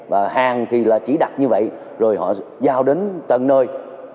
và hàng thì chỉ đặt như vậy rồi họ giao đến tầng nơi